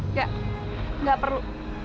nggak nggak perlu